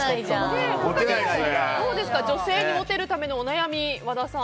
他には女性にモテるためのお悩み